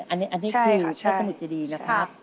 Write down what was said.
อันนี้คือพระสมุทรเจดีนะครับ